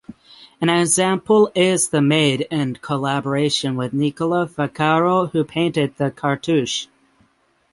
An example is the made in collaboration with Nicola Vaccaro who painted the cartouche.